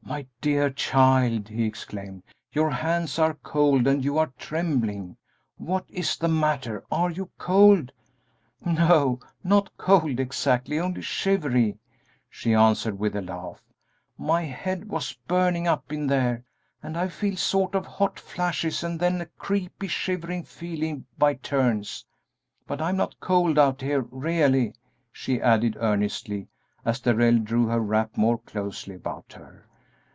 "My dear child!" he exclaimed; "your hands are cold and you are trembling! What is the matter are you cold?" "No, not cold exactly, only shivery," she answered, with a laugh. "My head was burning up in there, and I feel sort of hot flashes and then a creepy, shivery feeling by turns; but I am not cold out here, really," she added, earnestly, as Darrell drew her wrap more closely about her.